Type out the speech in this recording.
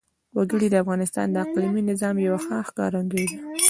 وګړي د افغانستان د اقلیمي نظام یوه ښه ښکارندوی ده.